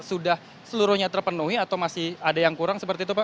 sudah seluruhnya terpenuhi atau masih ada yang kurang seperti itu pak